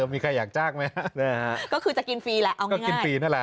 มีใครอยากจ้างไหมนะฮะก็คือจะกินฟรีแหละเอาง่าย